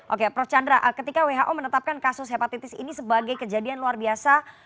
oke prof chandra ketika who menetapkan kasus hepatitis ini sebagai kejadian luar biasa